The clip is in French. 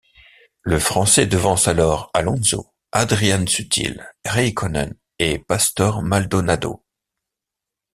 Le Français devance alors Alonso, Adrian Sutil, Räikkönen et Pastor Maldonado.